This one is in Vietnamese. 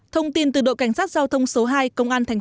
thông tin từ đội cảnh sát giao thông số hai công an tp hà nội